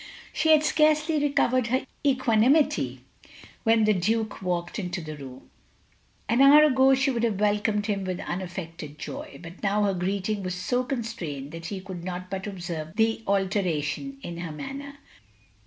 She had scarcely recovered her equanimity when the Duke walked into the room. An hour ago she would have welcomed him with unaffected joy; but now her greeting was so constrained that he could not but observe the alteration in her manner.